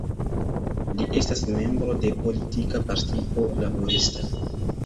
Li estas membro de politika partio laborista.